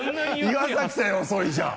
岩崎さんより遅いじゃん。